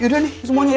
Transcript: yaudah nih semuanya ya